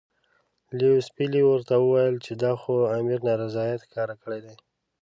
لیویس پیلي ورته وویل چې دا خو امیر نارضاییت ښکاره کړی دی.